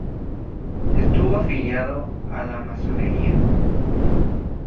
Estuvo afiliado a la masonería.